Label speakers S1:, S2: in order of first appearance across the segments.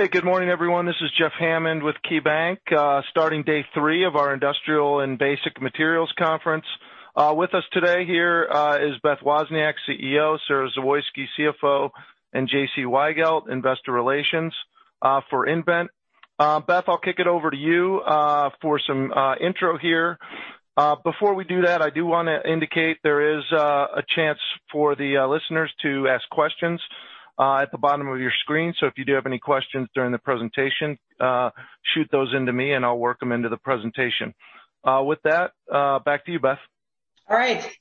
S1: Okay. Good morning, everyone. This is Jeff Hammond with KeyBanc, starting day three of our Industrials & Basic Materials Conference. With us today here is Beth Wozniak, CEO, Sara Zawoyski, CFO, and JC Weigelt, Vice President of Investor Relations for nVent. Beth, I'll kick it over to you for some intro here. Before we do that, I do want to indicate there is a chance for the listeners to ask questions at the bottom of your screen. If you do have any questions during the presentation, shoot those into me and I'll work them into the presentation. With that, back to you, Beth.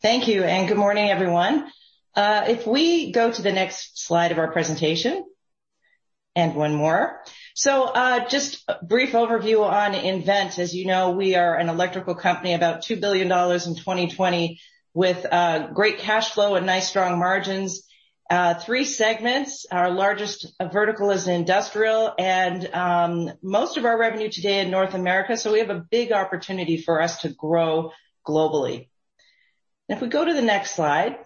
S2: Thank you, good morning, everyone. If we go to the next slide of our presentation, one more. Just a brief overview on nVent. As you know, we are an electrical company, about $2 billion in 2020, with great cash flow and nice strong margins. Three segments. Our largest vertical is industrial, most of our revenue today in North America, we have a big opportunity for us to grow globally. If we go to the next slide.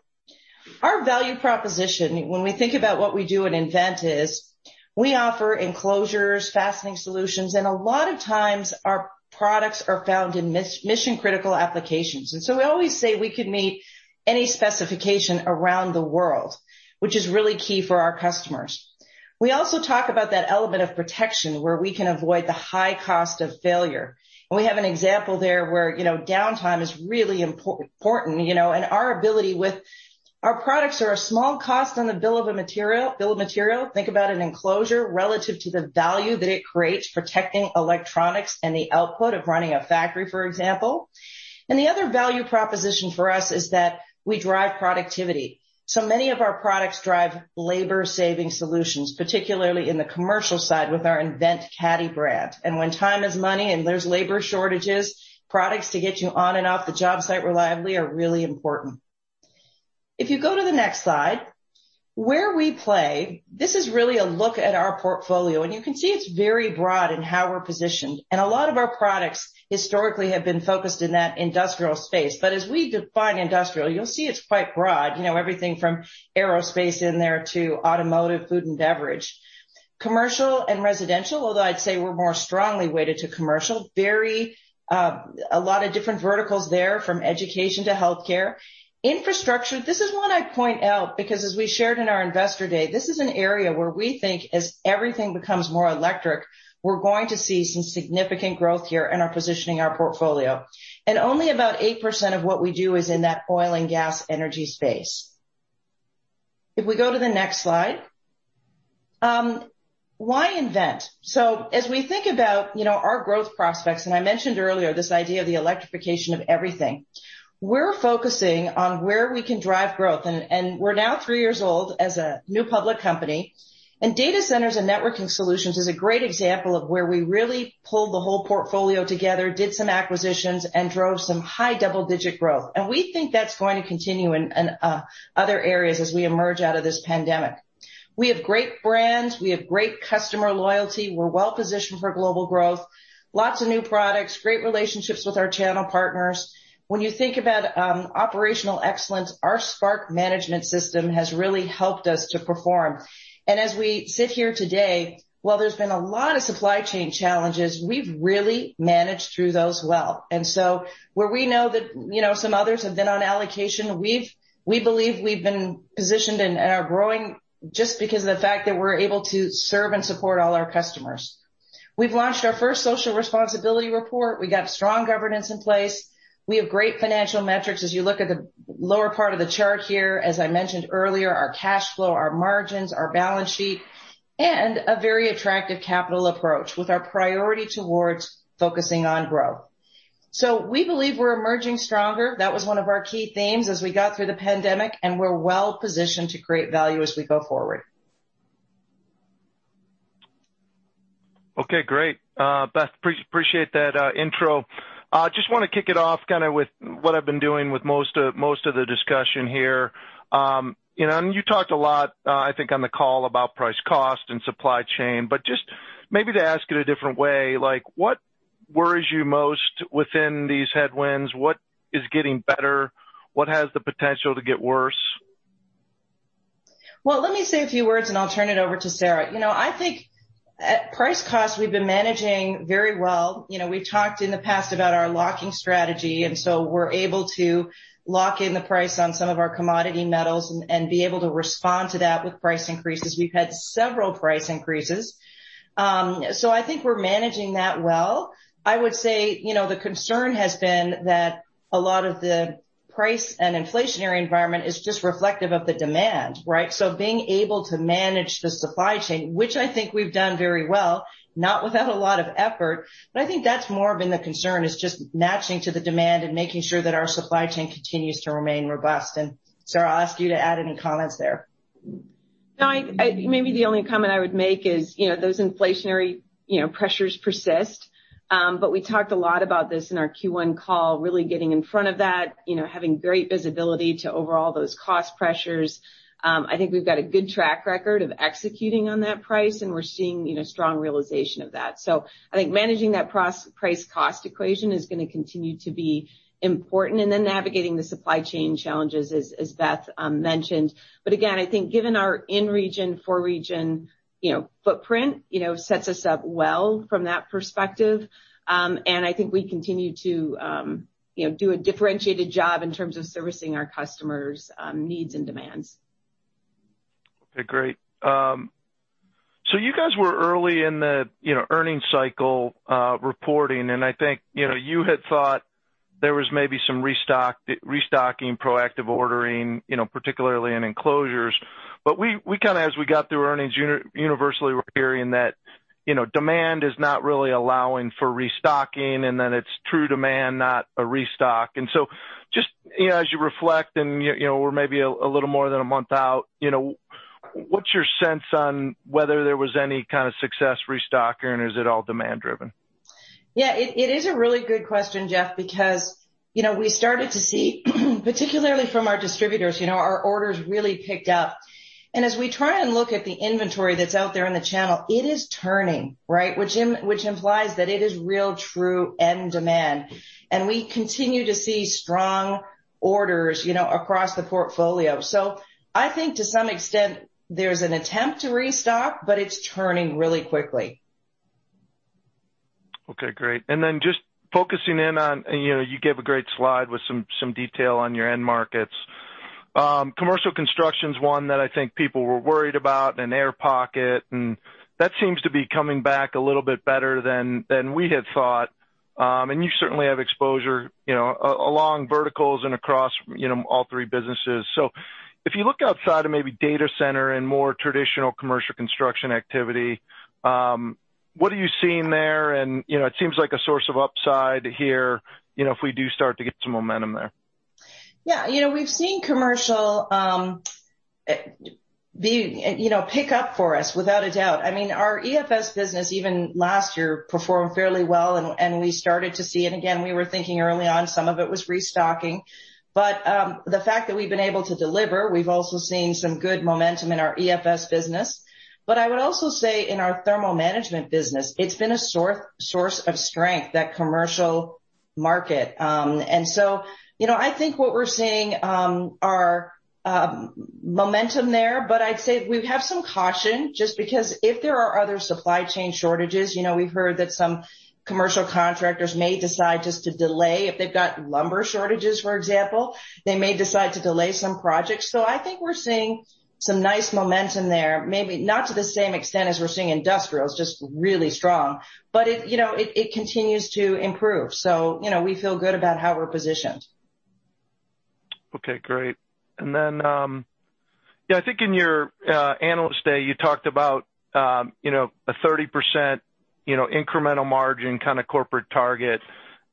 S2: Our value proposition, when we think about what we do at nVent is, we offer enclosures, fastening solutions, a lot of times our products are found in mission-critical applications. We always say we can meet any specification around the world, which is really key for our customers. We also talk about that element of protection, where we can avoid the high cost of failure. We have an example there where downtime is really important, and our ability with our products are a small cost on the bill of material. Think about an enclosure relative to the value that it creates protecting electronics and the output of running a factory, for example. The other value proposition for us is that we drive productivity. Many of our products drive labor-saving solutions, particularly in the commercial side with our nVent CADDY brand. When time is money and there's labor shortages, products to get you on and off the job site reliably are really important. If you go to the next slide, where we play, this is really a look at our portfolio, and you can see it's very broad in how we're positioned. A lot of our products historically have been focused in that industrial space. As we define industrial, you'll see it's quite broad, everything from aerospace in there to automotive, food and beverage. Commercial and residential, although I'd say we're more strongly weighted to commercial. A lot of different verticals there from education to healthcare. Infrastructure, this is one I point out because as we shared in our investor day, this is an area where we think as everything becomes more electric, we're going to see some significant growth here in our positioning our portfolio. Only about 8% of what we do is in that oil and gas energy space. If we go to the next slide. Why nVent? As we think about our growth prospects, and I mentioned earlier this idea of the electrification of everything, we're focusing on where we can drive growth, and we're now three years old as a new public company, and data centers and networking solutions is a great example of where we really pulled the whole portfolio together, did some acquisitions, and drove some high double-digit growth. We think that's going to continue in other areas as we emerge out of this pandemic. We have great brands, we have great customer loyalty. We're well-positioned for global growth, lots of new products, great relationships with our channel partners. When you think about operational excellence, our Spark management system has really helped us to perform. As we sit here today, while there's been a lot of supply chain challenges, we've really managed through those well. Where we know that some others have been on allocation, we believe we've been positioned and are growing just because of the fact that we're able to serve and support all our customers. We've launched our first social responsibility report. We got strong governance in place. We have great financial metrics. As you look at the lower part of the chart here, as I mentioned earlier, our cash flow, our margins, our balance sheet, and a very attractive capital approach with our priority towards focusing on growth. We believe we're emerging stronger. That was one of our key themes as we got through the pandemic, and we're well-positioned to create value as we go forward.
S1: Okay, great. Beth, appreciate that intro. Just want to kick it off kind of with what I've been doing with most of the discussion here. You talked a lot, I think, on the call about price cost and supply chain. Just maybe to ask it a different way, what worries you most within these headwinds? What is getting better? What has the potential to get worse?
S2: Well, let me say a few words, and I'll turn it over to Sara. I think at price cost, we've been managing very well. We talked in the past about our locking strategy, we're able to lock in the price on some of our commodity metals and be able to respond to that with price increases. We've had several price increases. I think we're managing that well. I would say the concern has been that a lot of the price and inflationary environment is just reflective of the demand, right? Being able to manage the supply chain, which I think we've done very well, not without a lot of effort, but I think that's more been the concern is just matching to the demand and making sure that our supply chain continues to remain robust. Sara, I'll ask you to add any comments there.
S3: Maybe the only comment I would make is those inflationary pressures persist, but we talked a lot about this in our Q1 call, really getting in front of that, having great visibility to overall those cost pressures. I think we've got a good track record of executing on that price, and we're seeing a strong realization of that. I think managing that price cost equation is going to continue to be important, and then navigating the supply chain challenges as Beth mentioned. Again, I think given our in-region, for-region footprint sets us up well from that perspective, and I think we continue to do a differentiated job in terms of servicing our customers' needs and demands.
S1: Okay, great. You guys were early in the earnings cycle reporting, and I think you had thought there was maybe some restocking, proactive ordering, particularly in enclosures. As we got through earnings, universally we're hearing that demand is not really allowing for restocking, and then it's true demand, not a restock. Just as you reflect and we're maybe a little more than a month out, what's your sense on whether there was any kind of success restocking or is it all demand-driven?
S2: Yeah. It is a really good question, Jeff, we started to see, particularly from our distributors, our orders really picked up. As we try to look at the inventory that's out there in the channel, it is turning, right? Which implies that it is real true end demand, we continue to see strong orders across the portfolio. I think to some extent, there's an attempt to restock, it's turning really quickly.
S1: Okay, great. Then just focusing in on, you gave a great slide with some detail on your end markets. Commercial construction is one that I think people were worried about, an air pocket, and that seems to be coming back a little bit better than we had thought. You certainly have exposure along verticals and across all three businesses. If you look outside of maybe data center and more traditional commercial construction activity, what are you seeing there? It seems like a source of upside here, if we do start to get some momentum there.
S2: Yeah. We've seen commercial pick up for us without a doubt. Our EFS business even last year performed fairly well, and we started to see it again. We were thinking early on some of it was restocking. The fact that we've been able to deliver, we've also seen some good momentum in our EFS business. I would also say in our thermal management business, it's been a source of strength, that commercial market. I think what we're seeing are momentum there, but I'd say we have some caution just because if there are other supply chain shortages, we've heard that some commercial contractors may decide just to delay if they've got lumber shortages, for example. They may decide to delay some projects. I think we're seeing some nice momentum there, maybe not to the same extent as we're seeing industrial. It's just really strong. It continues to improve, so we feel good about how we're positioned.
S1: Okay, great. I think in your analyst day, you talked about a 30% incremental margin kind of corporate target.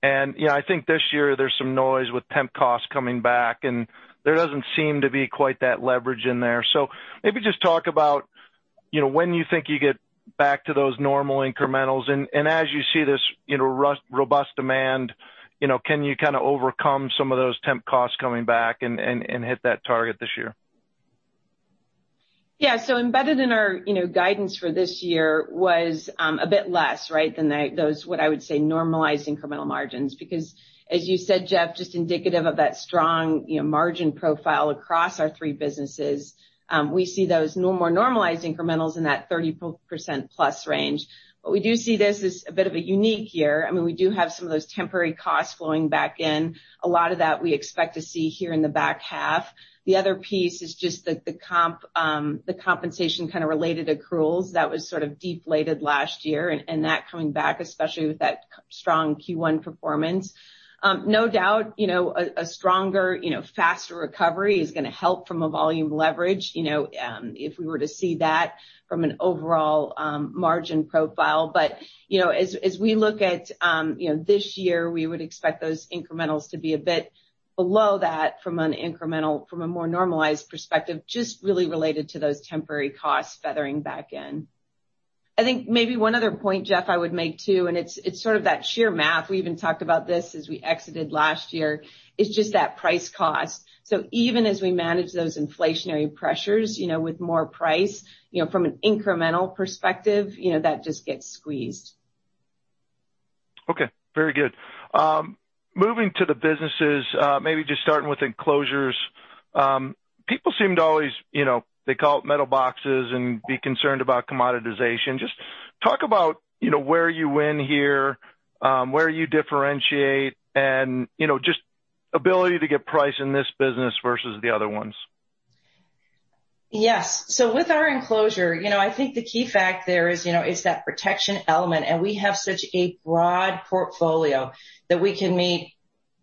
S1: I think this year there's some noise with temp costs coming back, and there doesn't seem to be quite that leverage in there. Maybe just talk about when you think you get back to those normal incrementals, and as you see this robust demand, can you kind of overcome some of those temp costs coming back and hit that target this year?
S3: Yeah. Embedded in our guidance for this year was a bit less than those, what I would say, normalized incremental margins. As you said, Jeff, just indicative of that strong margin profile across our three businesses, we see those more normalized incrementals in that 30%+ range. We do see this as a bit of a unique year. We do have some of those temporary costs flowing back in. A lot of that we expect to see here in the back half. The other piece is just the compensation kind of related accruals that was sort of deflated last year, and that coming back, especially with that strong Q1 performance. No doubt, a stronger, faster recovery is going to help from a volume leverage, if we were to see that from an overall margin profile. As we look at this year, we would expect those incrementals to be a bit below that from a more normalized perspective, just really related to those temporary costs feathering back in. I think maybe one other point, Jeff, I would make too, and it's sort of that sheer math. We even talked about this as we exited last year, is just that price cost. Even as we manage those inflationary pressures with more price, from an incremental perspective, that just gets squeezed.
S1: Okay, very good. Moving to the businesses, maybe just starting with enclosures. People seem to always call it metal boxes and be concerned about commoditization. Just talk about where you win here, where you differentiate, and just ability to get price in this business versus the other ones.
S2: Yes. With our enclosure, I think the key fact there is that protection element. We have such a broad portfolio that we can meet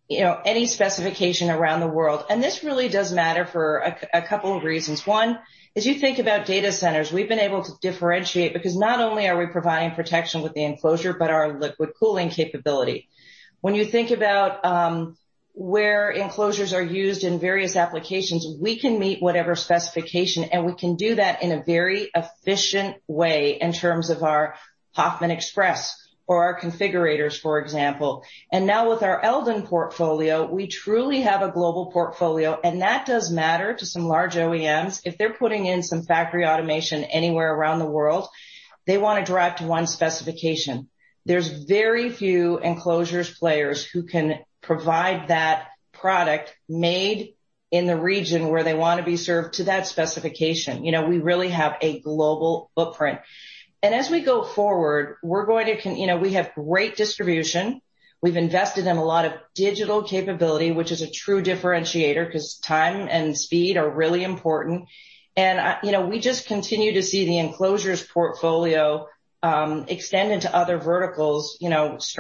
S2: any specification around the world. This really does matter for a couple of reasons. One, as you think about data centers, we've been able to differentiate because not only are we providing protection with the enclosure but our liquid cooling capability. When you think about where enclosures are used in various applications, we can meet whatever specification. We can do that in a very efficient way in terms of our nVent HOFFMAN Express or our configurators, for example. Now with our Eldon portfolio, we truly have a global portfolio. That does matter to some large OEMs. If they're putting in some factory automation anywhere around the world, they want to drive to one specification. There's very few enclosures players who can provide that product made in the region where they want to be served to that specification. We really have a global footprint. As we go forward, we have great distribution. We've invested in a lot of digital capability, which is a true differentiator because time and speed are really important. We just continue to see the enclosures portfolio extend into other verticals,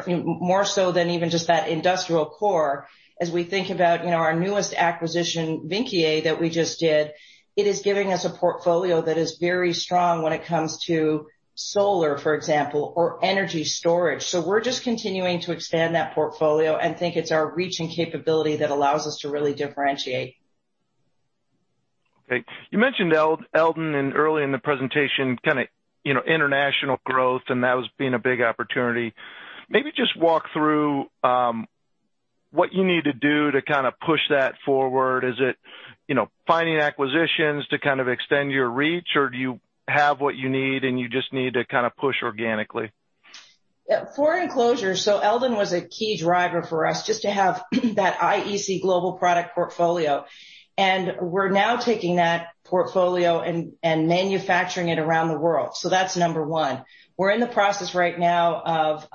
S2: more so than even just that industrial core. As we think about our newest acquisition, Vynckier, that we just did, it is giving us a portfolio that is very strong when it comes to solar, for example, or energy storage. We're just continuing to expand that portfolio and think it's our reach and capability that allows us to really differentiate.
S1: Okay. You mentioned Eldon early in the presentation, kind of international growth, and that was being a big opportunity. Maybe just walk through what you need to do to kind of push that forward. Is it finding acquisitions to kind of extend your reach, or do you have what you need, and you just need to kind of push organically?
S2: For Enclosures, Eldon was a key driver for us just to have that IEC global product portfolio. We're now taking that portfolio and manufacturing it around the world. That's number one. We're in the process right now of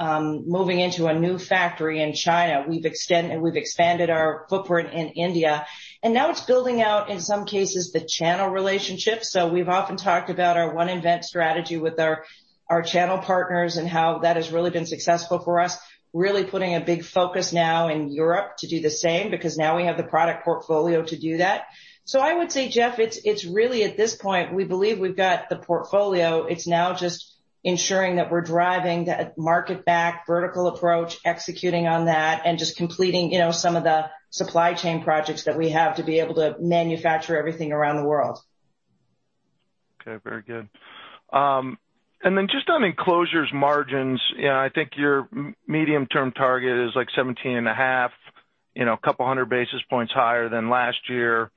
S2: moving into a new factory in China. We've expanded our footprint in India. Now it's building out, in some cases, the channel relationships. We've often talked about our One nVent strategy with our channel partners and how that has really been successful for us. Really putting a big focus now in Europe to do the same, because now we have the product portfolio to do that. I would say, Jeff, it's really at this point, we believe we've got the portfolio. It's now just ensuring that we're driving that market-back vertical approach, executing on that, and just completing some of the supply chain projects that we have to be able to manufacture everything around the world.
S1: Okay. Very good. Just on Enclosures margins, I think your medium-term target is like 17.5%, a couple of hundred basis points higher than last year.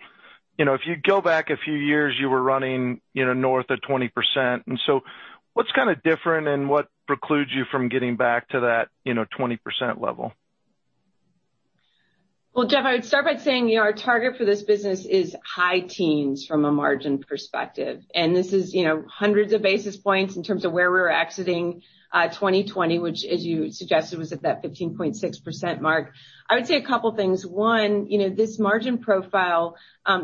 S1: If you go back a few years, you were running north of 20%. What's kind of different and what precludes you from getting back to that 20% level?
S3: Well, Jeff, I'd start by saying our target for this business is high teens from a margin perspective, and this is hundreds of basis points in terms of where we were exiting 2020, which, as you suggested, was at that 15.6% mark. I would say a couple things. One, this margin profile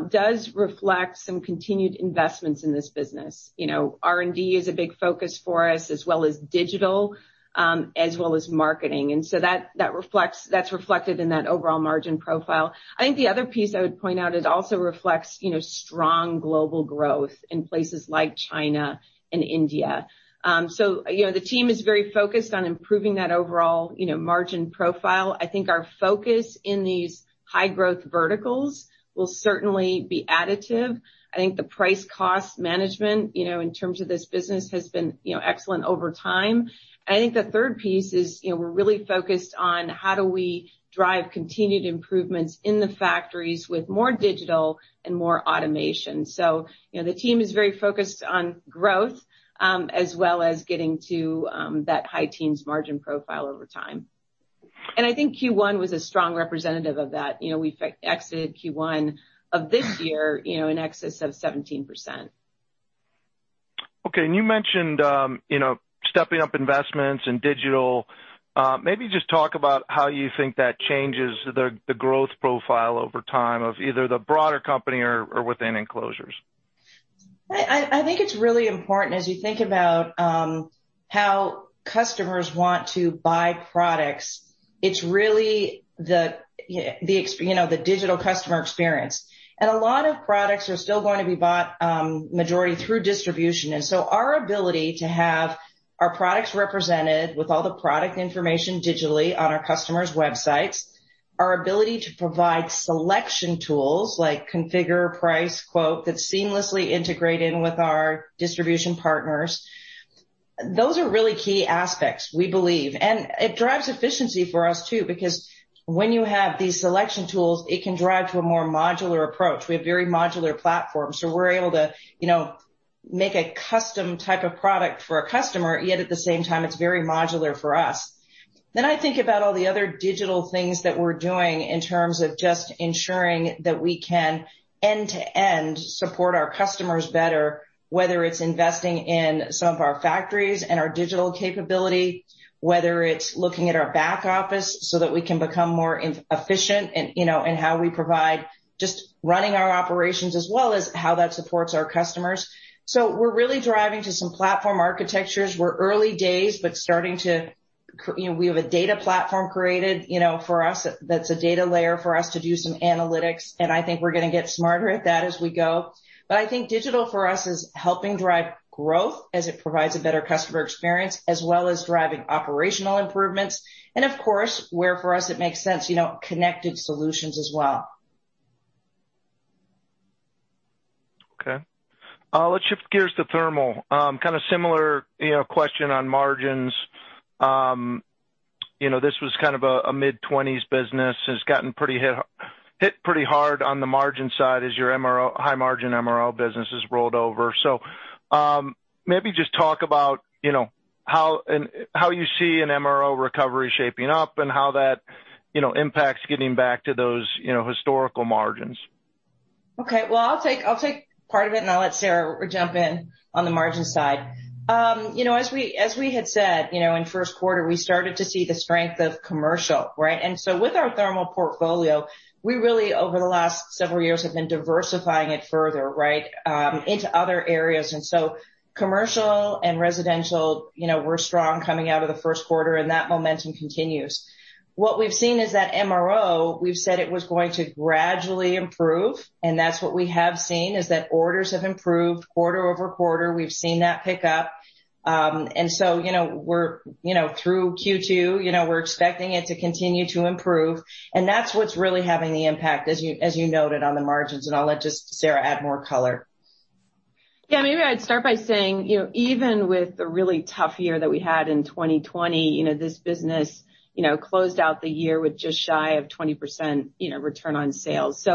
S3: does reflect some continued investments in this business. R&D is a big focus for us, as well as digital, as well as marketing. That's reflected in that overall margin profile. I think the other piece I would point out, it also reflects strong global growth in places like China and India. The team is very focused on improving that overall margin profile. I think our focus in these high-growth verticals will certainly be additive. I think the price-cost management in terms of this business has been excellent over time. I think the third piece is, we're really focused on how do we drive continued improvements in the factories with more digital and more automation. The team is very focused on growth, as well as getting to that high teens margin profile over time. I think Q1 was a strong representative of that. We exited Q1 of this year in excess of 17%.
S1: Okay. You mentioned stepping up investments in digital. Maybe just talk about how you think that changes the growth profile over time of either the broader company or within Enclosures.
S2: I think it's really important as you think about how customers want to buy products, it's really the digital customer experience. A lot of products are still going to be bought majority through distribution. Our ability to have our products represented with all the product information digitally on our customers' websites, our ability to provide selection tools like configure, price, quote, that's seamlessly integrated with our distribution partners. Those are really key aspects, we believe. It drives efficiency for us too, because when you have these selection tools, it can drive to a more modular approach. We have very modular platforms, so we're able to make a custom type of product for a customer, yet at the same time, it's very modular for us. I think about all the other digital things that we're doing in terms of just ensuring that we can end-to-end support our customers better, whether it's investing in some of our factories and our digital capability, whether it's looking at our back office so that we can become more efficient in how we provide just running our operations, as well as how that supports our customers. We're really driving to some platform architectures, we're early days, but starting to. We have a data platform created, that's a data layer for us to do some analytics, and I think we're going to get smarter at that as we go. I think digital for us is helping drive growth as it provides a better customer experience, as well as driving operational improvements. Of course, where for us it makes sense, connected solutions as well.
S1: Okay. Let's shift gears to Thermal. Kind of similar question on margins. This was kind of a mid-20s business, and it's gotten hit pretty hard on the margin side as your high-margin MRO business has rolled over. Maybe just talk about how you see an MRO recovery shaping up and how that impacts getting back to those historical margins.
S2: Okay. Well, I'll take part of it, and I'll let Sara jump in on the margin side. As we had said in first quarter, we started to see the strength of commercial, right? With our Thermal portfolio, we really over the last several years have been diversifying it further into other areas. Commercial and residential were strong coming out of the first quarter, and that momentum continues. What we've seen is that MRO, we've said it was going to gradually improve, and that's what we have seen is that orders have improved quarter-over-quarter. We've seen that pick up. Through Q2, we're expecting it to continue to improve, and that's what's really having the impact, as you noted on the margins. I'll let just Sara add more color.
S3: I'd start by saying, even with the really tough year that we had in 2020, this business closed out the year with just shy of 20% return on sales.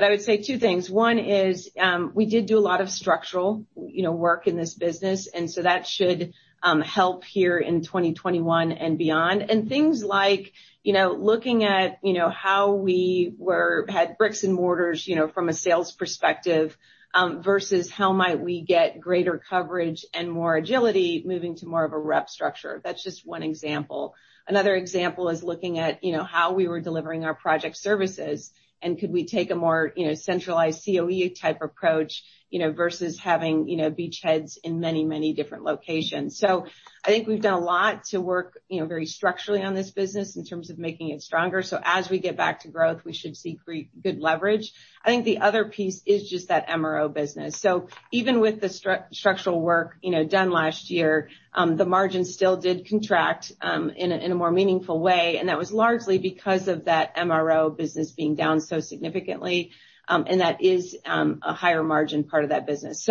S3: I would say two things. One is we did do a lot of structural work in this business, and so that should help here in 2021 and beyond. Things like looking at how we had bricks and mortars from a sales perspective versus how might we get greater coverage and more agility moving to more of a rep structure. That's just one example. Another example is looking at how we were delivering our project services and could we take a more centralized COE type approach versus having beachheads in many, many different locations. I think we've done a lot to work very structurally on this business in terms of making it stronger. As we get back to growth, we should see pretty good leverage. I think the other piece is just that MRO business. Even with the structural work done last year, the margin still did contract in a more meaningful way. That was largely because of that MRO business being down so significantly. That is a higher margin part of that business.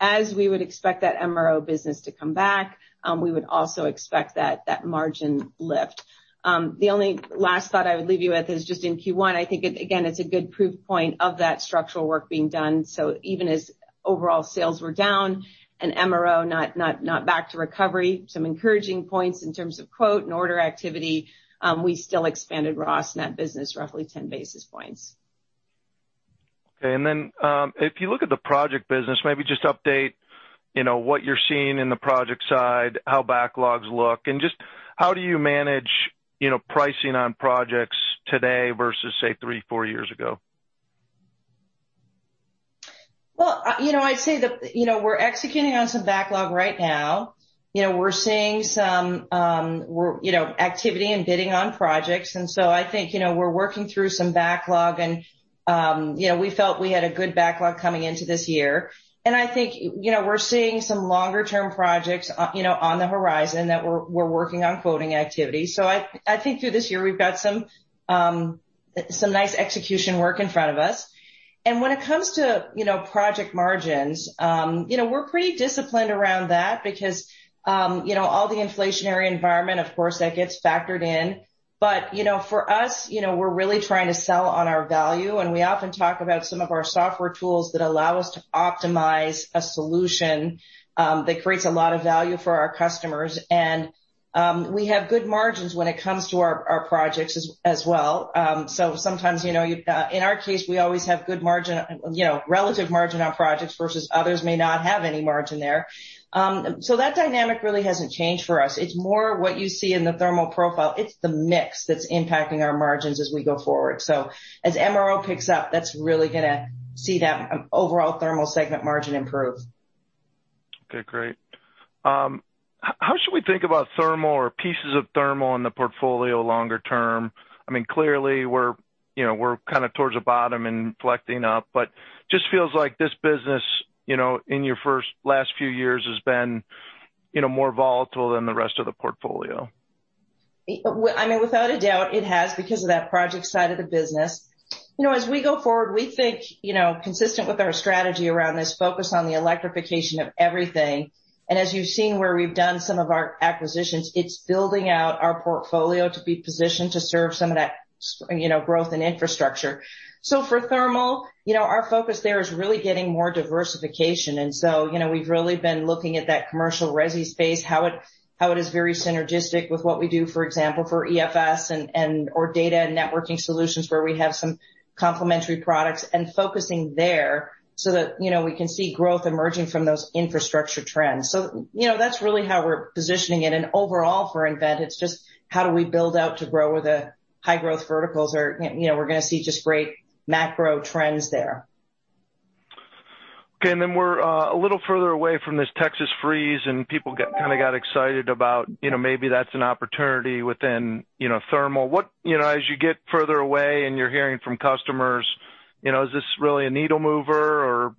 S3: As we would expect that MRO business to come back, we would also expect that margin lift. The only last thought I would leave you with is just in Q1, I think, again, it's a good proof point of that structural work being done. Even as overall sales were down and MRO not back to recovery, some encouraging points in terms of quote and order activity. We still expanded nVent RAYCHEM business roughly 10 basis points.
S1: Okay. If you look at the project business, maybe just update what you're seeing in the project side, how backlogs look, and just how do you manage pricing on projects today versus, say, three, four years ago?
S2: I'd say that we're executing on some backlog right now. We're seeing some activity and bidding on projects. I think we're working through some backlog, and we felt we had a good backlog coming into this year. I think we're seeing some longer-term projects on the horizon that we're working on quoting activity. I think through this year, we've got some nice execution work in front of us. When it comes to project margins, we're pretty disciplined around that because all the inflationary environment, of course, that gets factored in. For us, we're really trying to sell on our value, and we often talk about some of our software tools that allow us to optimize a solution that creates a lot of value for our customers. We have good margins when it comes to our projects as well. Sometimes, in our case, we always have good relative margin on projects versus others may not have any margin there. That dynamic really hasn't changed for us. It's more what you see in the thermal profile. It's the mix that's impacting our margins as we go forward. As MRO picks up, that's really going to see that overall thermal segment margin improve.
S1: Okay, great. How should we think about thermal or pieces of thermal in the portfolio longer term? Clearly we're kind of towards the bottom and inflecting up, but just feels like this business in your last few years has been more volatile than the rest of the portfolio.
S2: Without a doubt it has because of that project side of the business. As we go forward, we think consistent with our strategy around this focus on the electrification of everything, and as you've seen where we've done some of our acquisitions, it's building out our portfolio to be positioned to serve some of that growth in infrastructure. For thermal, our focus there is really getting more diversification. We've really been looking at that commercial resi space, how it is very synergistic with what we do, for example, for EFS or data and networking solutions where we have some complementary products and focusing there so that we can see growth emerging from those infrastructure trends. That's really how we're positioning it. Overall for nVent, it's just how do we build out to grow with the high-growth verticals, or we're going to see just great macro trends there.
S1: Okay. We're a little further away from this Texas freeze, and people kind of got excited about maybe that's an opportunity within thermal. As you get further away and you're hearing from customers, is this really a needle mover or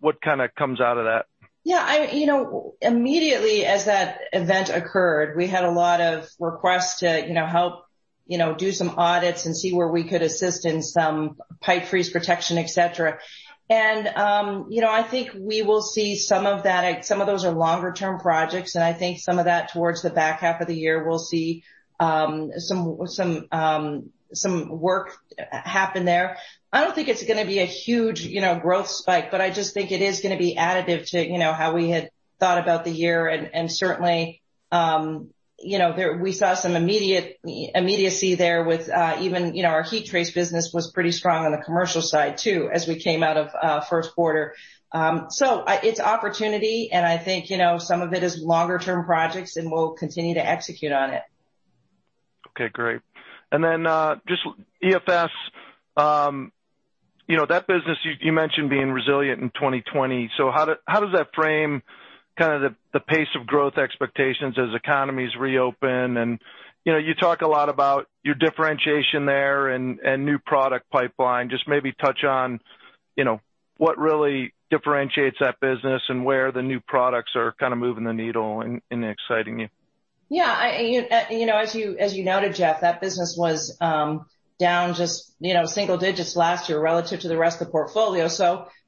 S1: what kind of comes out of that?
S2: Yeah. Immediately as that event occurred, we had a lot of requests to help do some audits and see where we could assist in some pipe freeze protection, et cetera. I think we will see some of that. Some of those are longer-term projects, and I think some of that towards the back half of the year, we'll see some work happen there. I don't think it's going to be a huge growth spike, but I just think it is going to be additive to how we had thought about the year. Certainly we saw some immediacy there with even our heat trace business was pretty strong on the commercial side too, as we came out of first quarter. It's opportunity, and I think some of it is longer-term projects, and we'll continue to execute on it.
S1: Okay, great. Just EFS, that business you mentioned being resilient in 2020. How does that frame the pace of growth expectations as economies reopen? You talk a lot about your differentiation there and new product pipeline. Just maybe touch on what really differentiates that business and where the new products are moving the needle and exciting you.
S2: Yeah. As you noted, Jeff, that business was down just single digits last year relative to the rest of the portfolio.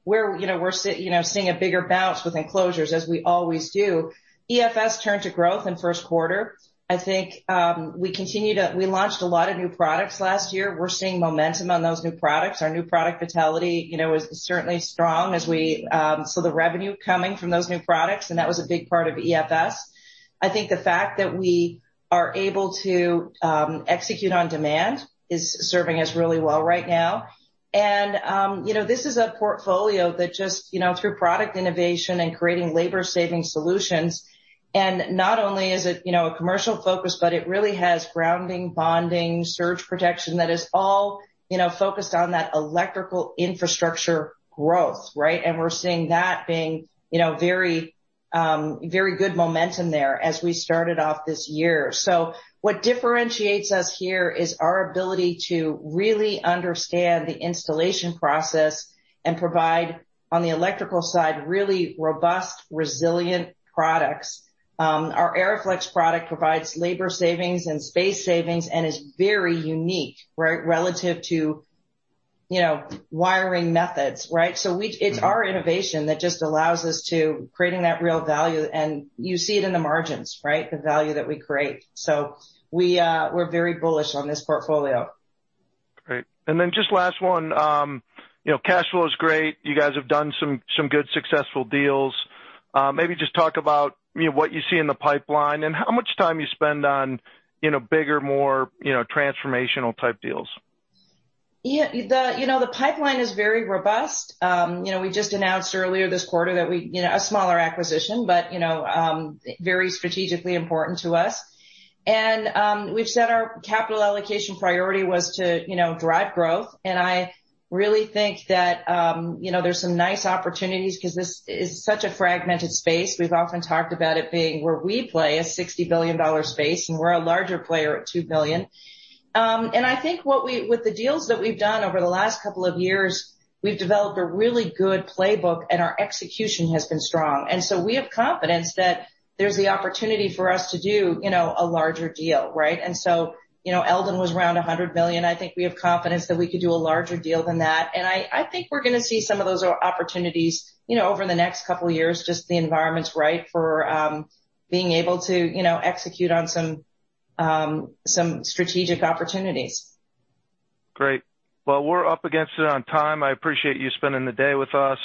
S2: We're seeing a bigger bounce with enclosures, as we always do. EFS turned to growth in first quarter. I think we launched a lot of new products last year. We're seeing momentum on those new products. Our new product vitality is certainly strong as we saw the revenue coming from those new products, and that was a big part of EFS. I think the fact that we are able to execute on demand is serving us really well right now. This is a portfolio that just through product innovation and creating labor saving solutions, and not only is it commercial focused, but it really has grounding, bonding, surge protection that is all focused on that electrical infrastructure growth, right? We're seeing that being very good momentum there as we started off this year. What differentiates us here is our ability to really understand the installation process and provide, on the electrical side, really robust, resilient products. Our nVent ERIFLEX product provides labor savings and space savings and is very unique, right? Relative to wiring methods, right?
S1: Right.
S2: It's our innovation that just allows us to creating that real value, and you see it in the margins, right? The value that we create. We're very bullish on this portfolio.
S1: Great. Just last one. Cash flow is great. You guys have done some good successful deals. Maybe just talk about what you see in the pipeline and how much time you spend on bigger, more transformational type deals.
S2: Yeah. The pipeline is very robust. We just announced earlier this quarter a smaller acquisition, but very strategically important to us. We've said our capital allocation priority was to drive growth. I really think that there's some nice opportunities because this is such a fragmented space. We've often talked about it being where we play a $60 billion space, and we're a larger player at $2 billion. I think with the deals that we've done over the last couple of years, we've developed a really good playbook, and our execution has been strong. We have confidence that there's the opportunity for us to do a larger deal, right? Eldon was around $100 million. I think we have confidence that we can do a larger deal than that. I think we're going to see some of those opportunities over the next couple of years, just the environment's right for being able to execute on some strategic opportunities.
S1: Great. We're up against it on time. I appreciate you spending the day with us,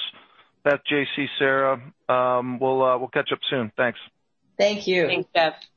S1: Beth, JC, Sara. We'll catch up soon. Thanks.
S2: Thank you.
S3: Thanks, Jeff.